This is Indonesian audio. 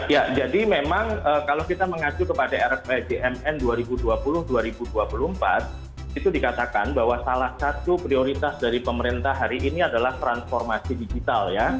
ya jadi memang kalau kita mengacu kepada rpjmn dua ribu dua puluh dua ribu dua puluh empat itu dikatakan bahwa salah satu prioritas dari pemerintah hari ini adalah transformasi digital ya